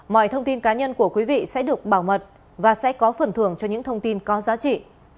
mọi thông tin cá nhân của quý vị sẽ được bảo mật và sẽ có phần thưởng cho những thông tin có giá trị